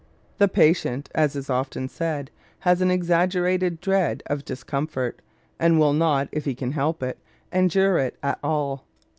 The patient, as is often said, has an exaggerated dread of discomfort, and will not, if he can help it, endure it at all.